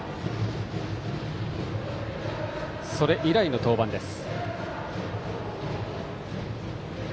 それ以来の登板です。